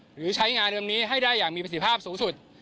หรือใช้งานเรื่องนี้ให้ได้อย่างมีประสิทธิภาพสูงสุด